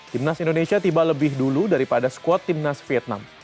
tim nas indonesia tiba lebih dulu daripada squad tim nas vietnam